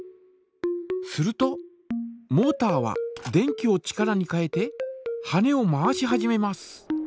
するとモータは電気を力に変えて羽根を回し始めます。